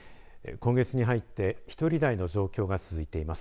今月に入って１人台の状況が続いています。